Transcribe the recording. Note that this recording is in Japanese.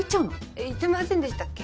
え言ってませんでしたっけ？